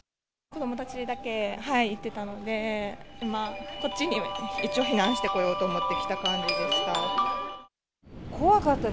子どもたちだけ行っていたので、こっちに一応、避難してこようと思って来た感じでした。